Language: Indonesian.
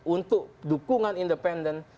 untuk dukungan independen